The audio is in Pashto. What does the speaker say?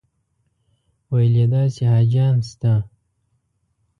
ویل یې داسې حاجیان شته.